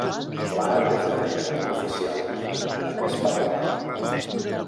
L'àrab és la llengua oficial i la més parlada.